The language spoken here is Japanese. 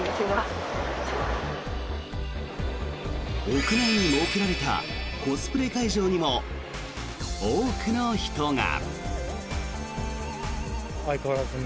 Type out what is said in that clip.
屋内に設けられたコスプレ会場にも多くの人が。